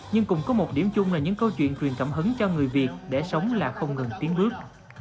nhưng cũng có một điểm chung là những câu chuyện truyền cảm hứng cho người việt để sống là không ngừng tiến bước